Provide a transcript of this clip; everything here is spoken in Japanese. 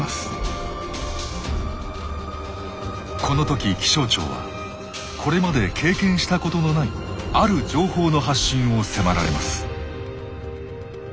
この時気象庁はこれまで経験したことのないある情報の発信を迫られます。